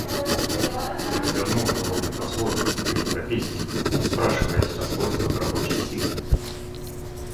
Мы давно уже ломим по-своему, по-европейски, не спрашиваясь о свойствах рабочей силы.